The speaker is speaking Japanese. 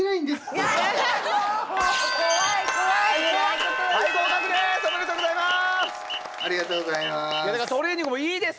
ありがとうございます。